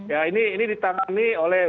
ya ini ditangani oleh